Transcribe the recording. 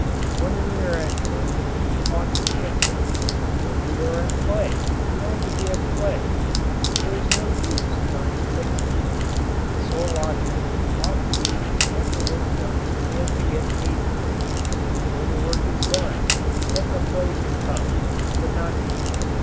When we are at work we ought to be at work. When we are at play we ought to be at play. There is no use trying to mix the two. The sole object ought to be to get the work done and to get paid for it. When the work is done, then the play can come, but not before.